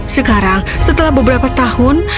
sekarang setelah beberapa tahun